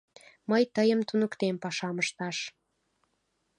— Мый тыйым туныктем пашам ышташ!